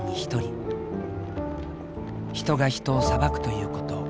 人が人を裁くということ。